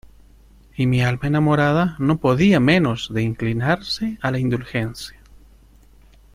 y mi alma enamorada no podía menos de inclinarse a la indulgencia.